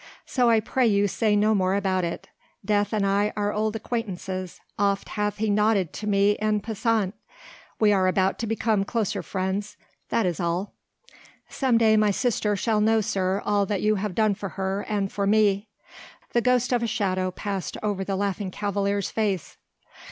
So I pray you say no more about it. Death and I are old acquaintances, oft hath he nodded to me en passant, we are about to become closer friends, that is all." "Some day my sister shall know, sir, all that you have done for her and for me." The ghost of a shadow passed over the Laughing Cavalier's face.